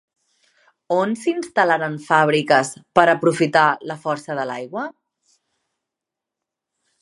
On s'instal·laren fabriques per aprofitat la força de l'aigua?